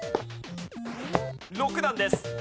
６段です。